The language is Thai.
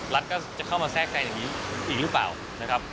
รัฐก็จะเข้ามาแทรกใกล้อย่างนี้อีกหรือเปล่า